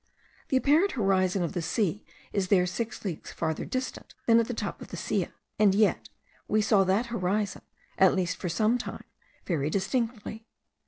The apparent horizon of the sea is there six leagues farther distant than at the top of the Silla, and yet we saw that horizon, at least for some time, very distinctly.